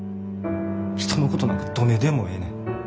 人のことなんかどねでもええねん。